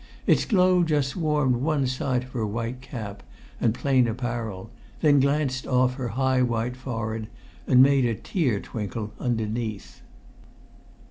Its glow just warmed one side of her white cap and plain apparel, then glanced off her high white forehead and made a tear twinkle underneath.